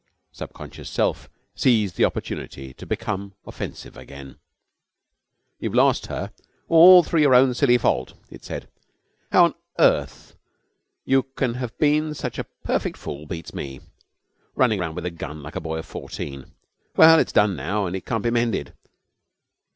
Subconscious Self seized the opportunity to become offensive again. 'You've lost her, all through your own silly fault,' it said. 'How on earth you can have been such a perfect fool beats me. Running round with a gun like a boy of fourteen! Well, it's done now and it can't be mended.